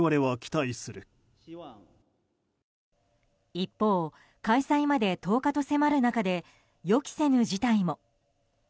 一方、開催まで１０日と迫る中で予期せぬ事態も。